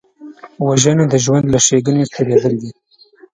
وژنه د ژوند له ښېګڼې تېرېدل دي